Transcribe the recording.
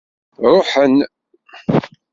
Ṛuḥen.